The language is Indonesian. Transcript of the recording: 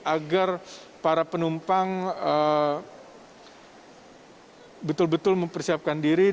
agar para penumpang betul betul mempersiapkan diri